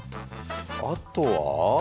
あとは。